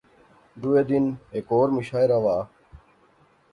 دوہے دن ہیک ہور مشاعرہ واہ